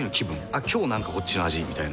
「あっ今日なんかこっちの味」みたいな。